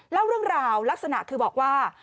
เล่าเรื่องราวลักษณะคือบอกว่า